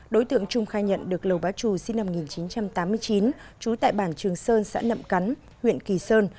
đối tượng trung khai nhận được lầu bá trù sinh năm một nghìn chín trăm tám mươi chín trú tại bản trường sơn xã nậm cắn huyện kỳ sơn